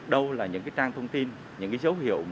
đâu là những trang thông tin những dấu hiệu